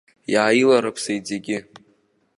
Иааиларыԥсеит зегьы.